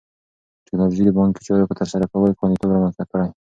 ټیکنالوژي د بانکي چارو په ترسره کولو کې خوندیتوب رامنځته کړی.